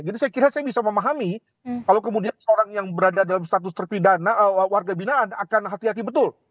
jadi kira kira saya bisa memahami kalau kemudian seorang yang berada dalam status terpidana warga bina akan hati hati betul